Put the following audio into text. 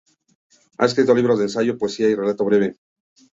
Ha escrito libros de ensayo, poesía y relato breve.